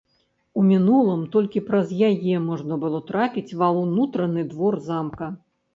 У мінулым толькі праз яе можна было трапіць ва ўнутраны двор замка.